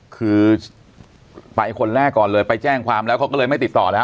คือไปคนแรกก่อนเลยไปแจ้งความแล้วเขาก็เลยไม่ติดต่อแล้ว